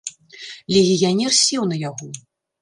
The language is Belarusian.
Легіянер сеў на яго.